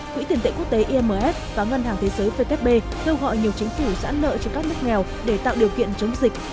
quỹ tiền tệ quốc tế imf và ngân hàng thế giới vkp kêu gọi nhiều chính phủ giãn nợ cho các nước nghèo để tạo điều kiện chống dịch